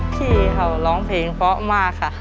พี่เขาร้องเพลงเพราะมากค่ะ